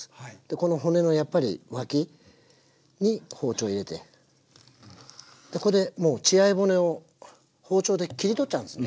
この骨のやっぱり脇に包丁入れてこれでもう血合い骨を包丁で切り取っちゃうんですね。